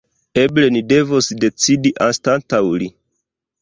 Eble ni devos decidi anstataŭ li.